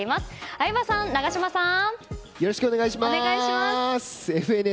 相葉さん、永島さん！